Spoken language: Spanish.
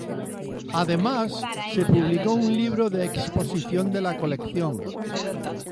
Además, se publicó un libro de exposición de la colección.